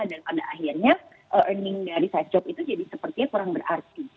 dan pada akhirnya earning dari sad jump itu jadi sepertinya kurang berarti